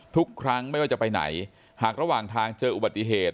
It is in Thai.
ทุกครั้งไม่ว่าจะไปไหนหากระหว่างทางเจออุบัติเหตุ